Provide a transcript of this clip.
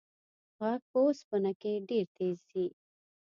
غږ په اوسپنه کې ډېر تېز ځي.